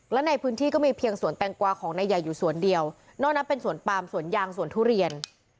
และในพื้นที่ก็มีเพียงสวนแตงกวาของนายใหญ่อยู่สวนเดียวนอกนั้นเป็นสวนปามสวนยางสวนทุเรียน